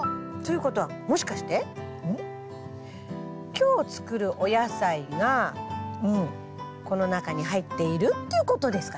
今日作るお野菜がこの中に入っているっていうことですかね？